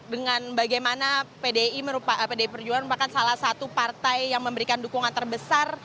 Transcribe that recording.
dengan bagaimana pdi perjuangan merupakan salah satu partai yang memberikan dukungan terbesar